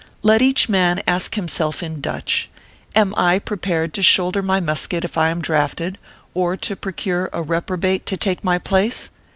Let each man ask himself in Dutch :" Am I prepared to shoulder my musket if I am drafted, or to procure a reprobate to take my place